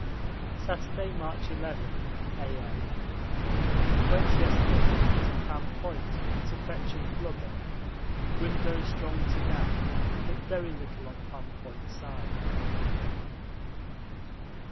Saturday, March 11, A.M. Went yesterday morning to Pram Point to fetch in blubber wind very strong to Gap but very little on Pram Point side.